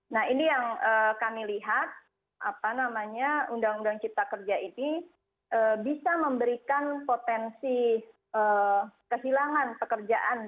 nah ini yang kami lihat undang undang cipta kerja ini bisa memberikan potensi kehilangan pekerjaan